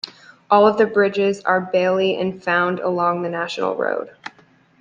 All of the bridges are bailey and found along the national road.